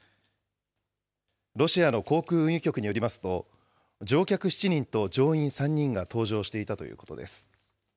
ロシアの航空運輸局によりますと、乗客７人と乗員３人が搭乗していたということです。